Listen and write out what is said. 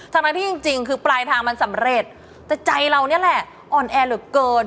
ทั้งนั้นที่จริงคือปลายทางมันสำเร็จแต่ใจเรานี่แหละอ่อนแอเหลือเกิน